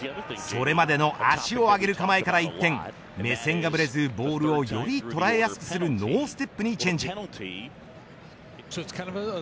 それまでの足を上げる構えから一転目線がぶれずボールをより捉えやすくするノーステップにチェンジ。